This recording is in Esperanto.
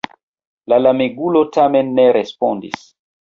La lamegulo tamen ne respondis.